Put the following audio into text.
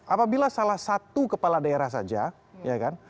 apabila salah satu kepala daerah saja ya kan